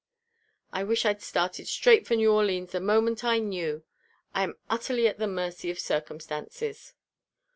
I wish I'd started straight for New Orleans the moment I knew. I am utterly at the mercy of circumstances."